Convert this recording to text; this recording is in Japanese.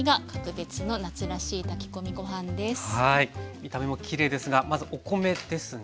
見た目もきれいですがまずお米ですね。